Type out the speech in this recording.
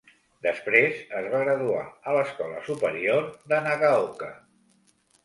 Després, es va graduar a l'Escola Superior de Nagaoka.